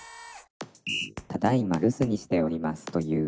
「ただいま留守にしておりますと言う」